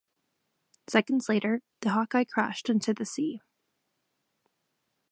Seconds later, the Hawkeye crashed into the sea.